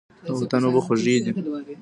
د وطن اوبه خوږې دي.